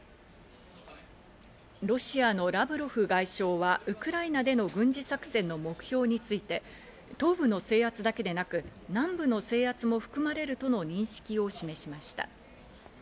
ロシアのラブロフ外相はウクライナでの軍事作戦の目標について、東部の制圧だけでなく、南部の制圧も含まれるとの認識を示しました。